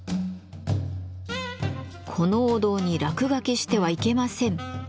「このお堂に落書きしてはいけません」。